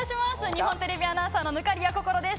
日本テレビアナウンサーの忽滑谷こころです